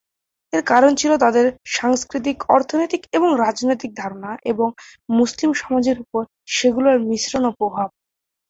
এর কারণ ছিল তাদের সাংস্কৃতিক, অর্থনৈতিক এবং রাজনৈতিক ধারণা এবং মুসলিম সমাজের উপর সেগুলোর মিশ্রণ ও প্রভাব।